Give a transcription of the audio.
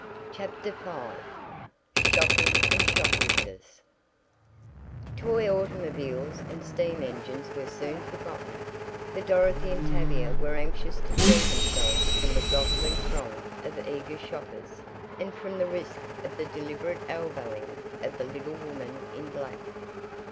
CHAPTER V SHOPPING AND SHOPLIFTERS Toy automobiles and steam engines were soon forgotten, for Dorothy and Tavia were anxious to free themselves from the jostling throng of eager shoppers, and from the risk of the deliberate elbowing of the little woman in black.